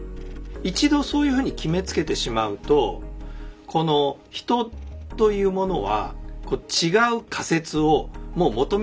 一度そういうふうに決めつけてしまうと人というものは違う仮説をもう求めなくなるんですね。